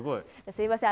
すいません。